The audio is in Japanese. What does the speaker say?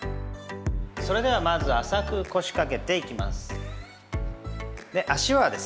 それではまず、浅く腰かけていきます。